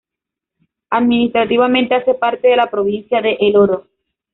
Administrativamente hace parte de la provincia de El Oro.